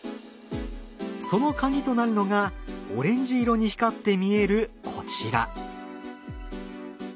そのカギとなるのがオレンジ色に光って見えるこちら。